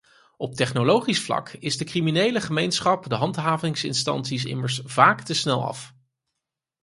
Op technologisch vlak is de criminele gemeenschap de handhavingsinstanties immers vaak te snel af.